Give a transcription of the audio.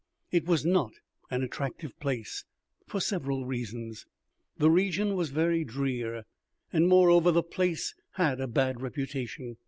It was not an attractive place for several reasons. The region was very drear, and, moreover, the place had a bad reputation.